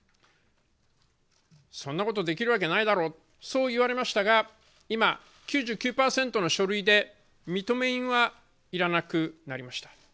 そんなことできるわけないだろう、そう言われましたが今、９９％の書類で認印はいらなくなりました。